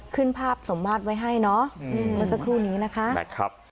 ขึ้นภาพสมมาตรไว้ให้เนาะเมื่อสักครู่นี้นะคะ